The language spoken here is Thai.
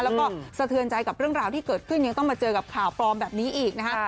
แล้วก็สะเทือนใจกับเรื่องราวที่เกิดขึ้นยังต้องมาเจอกับข่าวปลอมแบบนี้อีกนะคะ